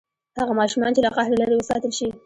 هغه ماشومان چې له قهر لرې وساتل شي.